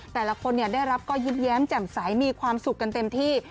แต่ละคนได้รับก็ยิ้มแย้มแจ่มใสมีความสุขกันเต็มที่